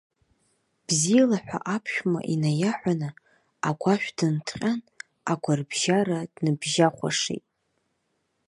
Бзиала ҳәа аԥшәма инаиаҳәаны, агәашә дынҭҟьан, агәарабжьара дныбжьахәашеит.